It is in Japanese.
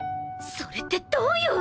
それってどういう！？